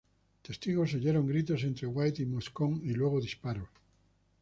Testigos oyeron gritos entre White y Moscone y luego disparos.